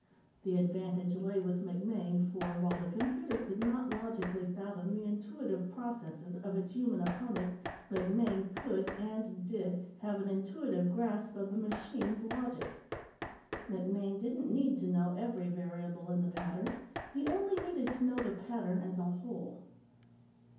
The advantage lay with MacMaine, for, while the computer could not logically fathom the intuitive processes of its human opponent, MacMaine could and did have an intuitive grasp of the machine's logic. MacMaine didn't need to know every variable in the pattern; he only needed to know the pattern as a whole.